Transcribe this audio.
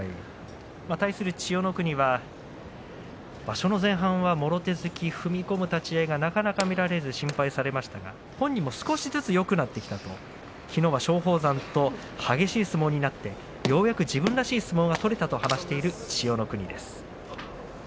対する千代の国が場所の前半は、もろ手突き踏み込む立ち合いがなかなか見られず心配されましたが本人も少しずつよくなってきたときのうは松鳳山と激しい相撲になってようやく自分らしい相撲が取れたと話している千代の国です。